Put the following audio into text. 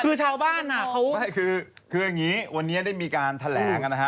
คือชาวบ้านอ่ะเขาไม่คืออย่างนี้วันนี้ได้มีการแถลงนะฮะ